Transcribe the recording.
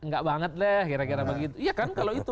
enggak banget lah kira kira begitu iya kan kalau itu